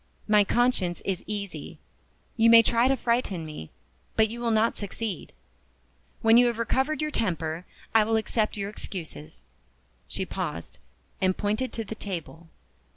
My conscience is easy. You may try to frighten me, but you will not succeed. When you have recovered your temper I will accept your excuses." She paused, and pointed to the table.